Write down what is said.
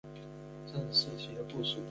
郑士琦的部属。